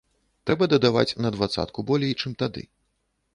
Трэба дадаваць на дваццатку болей, чым тады.